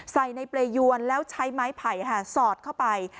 ใส่ในเปรยวนแล้วใช้ไม้ไผ่สอดเข้าไป